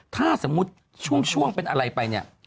ถ้าสมมติช่วงเป็นอะไรไป